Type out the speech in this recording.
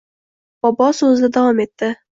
Bobo soʻzida davom etdi: